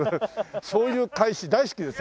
そういう返し大好きです。